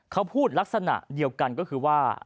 เขาพูดลักษณะเดียวกันก็คือว่า